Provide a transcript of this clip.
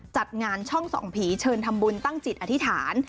จัดงานช่องส่องผีเชิญทำบุญตั้งจิตอธิษฐาน